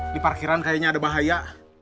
di parkiran kayaknya ada bahaya